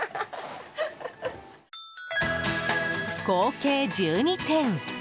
合計１２点。